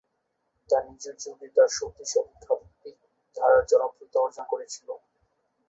তার নিজের যুগে তার শক্তিশালী কাব্যিক ধারা জনপ্রিয়তা অর্জন করেছিল।